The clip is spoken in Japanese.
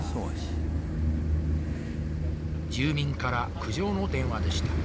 住民から苦情の電話でした。